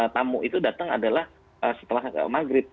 tamu itu datang adalah setelah maghrib